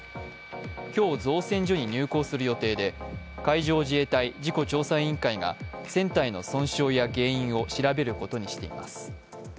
今日、造船所に入港する予定で海上自衛隊事故調査委員会が船体の損傷や原因を調べることにしています。